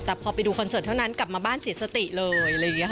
แต่พอไปดูคอนเสิร์ตเท่านั้นกลับมาบ้านเสียสติเลย